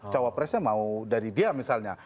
cawapresnya mau dari dia misalnya